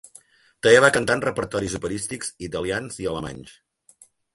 També va cantar en repertoris operístics italians i alemanys.